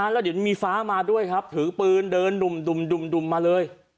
แล้วเดี๋ยวมีฟ้ามาด้วยครับถือปืนเดินดุ่มมาเลย